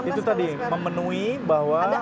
itu tadi memenuhi bahwa